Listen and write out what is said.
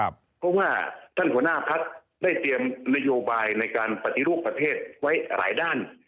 เพราะว่าท่านหัวหน้าพักได้เตรียมนโยบายในการปฏิรูปประเทศไว้หลายด้าน